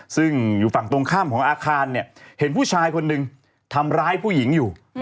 ซึ่งอยู่ฝั่งตรงข้ามของอาคารเนี่ยเห็นผู้ชายคนหนึ่งทำร้ายผู้หญิงอยู่